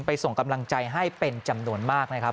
ส่งกำลังใจให้เป็นจำนวนมากนะครับ